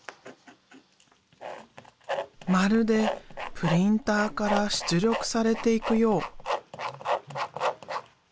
まるでプリンターから出力されていくよう。